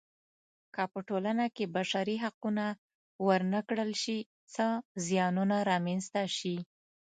که په ټولنه کې بشري حقونه ورنه کړل شي څه زیانونه رامنځته شي.